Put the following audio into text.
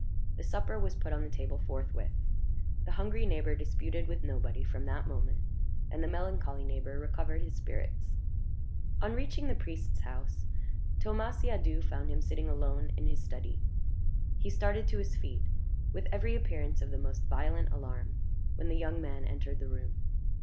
The supper was put on the table forthwith. The hungry neighbor disputed with nobody from that moment, and the melancholy neighbor recovered his spirits. On reaching the priest's house, Thomas Siadoux found him sitting alone in his study. He started to his feet, with every appearance of the most violent alarm, when the young man entered the room.